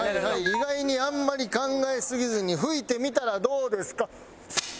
意外にあんまり考えすぎずに吹いてみたらどうですか。